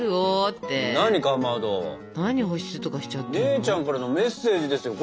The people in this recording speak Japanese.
姉ちゃんからのメッセージですよ。